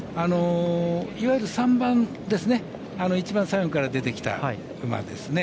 いわゆる３番ですね一番最後に出てきた馬ですね。